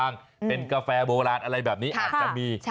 เป็นกาแฟโบราณอะไรแบบนี้อาจจะมี